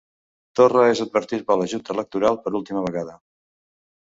Torra és advertit per la Junta Electoral per última vegada